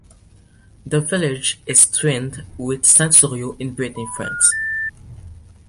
The village is twinned with Saint-Thuriau in Brittany, France.